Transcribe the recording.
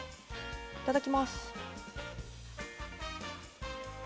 いただきます。